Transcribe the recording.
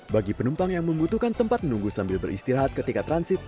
bagi penumpang yang membutuhkan tempat menunggu sambil beristirahat ketika transit